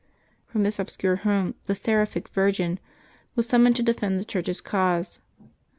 From this obscure home the seraphic virgin was summoned to defend the Churclfs cause.